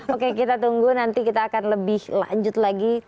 oke kita tunggu nanti kita akan lebih lanjut lagi